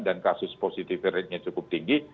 dan kasus positifnya cukup tinggi